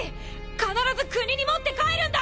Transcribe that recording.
必ず国に持って帰るんだ！